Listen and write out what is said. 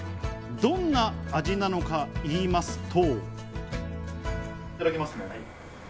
どんな味なのかと言いますと。